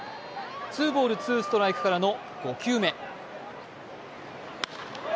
ツーボール・ツーストライクからの５球目。